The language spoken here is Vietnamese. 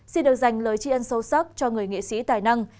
xin được dành lời tri ân sâu sắc cho người nghệ sĩ tài năng